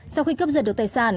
sau khi cướp giật được tài sản